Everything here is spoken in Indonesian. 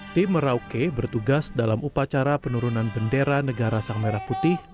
tim merauke bertugas dalam upacara penurunan bendera negara sang merah putih